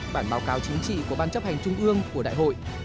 bản báo cáo chính trị của ban chấp hành trung ương của đại hội